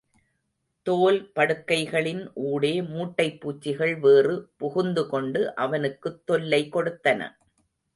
தோல்படுக்கைகளின் ஊடே, மூட்டைபூச்சிகள் வேறு புகுந்து கொண்டு அவனுக்குத் தொல்லை கொடுத்தன.